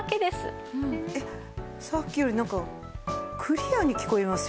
えっさっきよりなんかクリアに聞こえますよ。